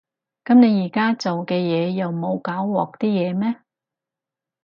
噉你而家做嘅嘢又冇搞禍啲嘢咩？